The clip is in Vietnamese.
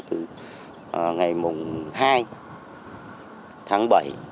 từ ngày hai tháng bảy